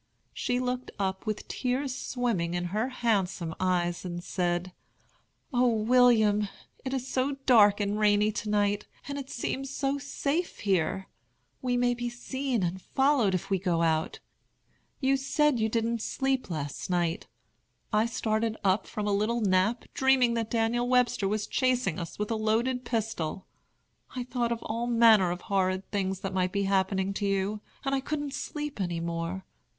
She looked up with tears swimming in her handsome eyes and said: "O William, it is so dark and rainy to night, and it seems so safe here! We may be seen and followed, if we go out. You said you didn't sleep last night. I started up from a little nap, dreaming that Daniel Webster was chasing us with a loaded pistol. I thought of all manner of horrid things that might be happening to you, and I couldn't sleep any more.